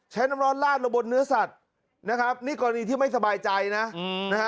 น้ำร้อนลาดลงบนเนื้อสัตว์นะครับนี่กรณีที่ไม่สบายใจนะนะฮะ